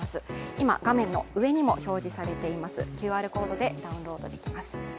今、画面の上にも表示されています、ＱＲコードでダウンロードできます。